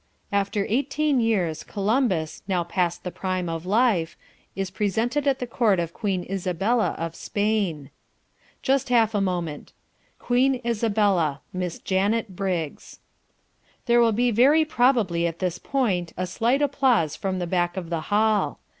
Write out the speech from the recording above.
"...After eighteen years Columbus, now past the prime of life, is presented at the Court of Queen Isabella of Spain." Just half a moment. QUEEN ISABELLA.. Miss Janet Briggs There will be very probably at this point a slight applause from the back of the hall.